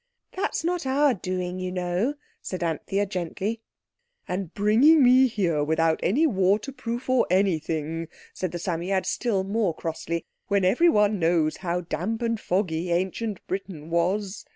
"That's not our doing, you know," said Anthea gently. "And bringing me here without any waterproof or anything," said the Psammead still more crossly, "when everyone knows how damp and foggy Ancient Britain was."